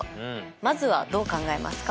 まずはどう考えますか？